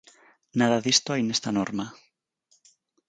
Nada disto hai nesta norma.